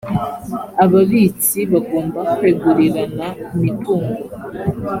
ababitsi bagomba kwegurirana imitungo